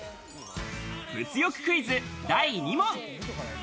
物欲クイズ第２問。